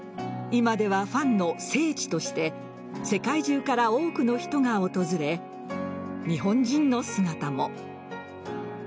今ではファンの聖地として世界中から多くの人が訪れ日本人の姿も。